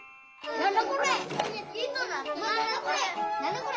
何だこれ！